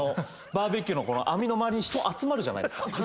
バーベキューの網の周りに人集まるじゃないですか。